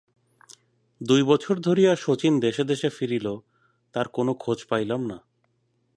দুই বছর ধরিয়া শচীশ দেশে দেশে ফিরিল, তার কোনো খোঁজ পাইলাম না।